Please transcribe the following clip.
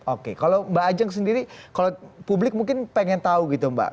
oke kalau mbak ajeng sendiri kalau publik mungkin pengen tahu gitu mbak